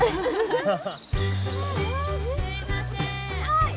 はい。